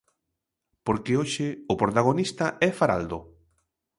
Porque hoxe o protagonista é Faraldo.